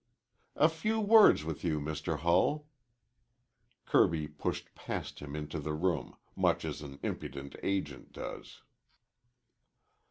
"A few words with you, Mr. Hull." Kirby pushed past him into the room, much as an impudent agent does.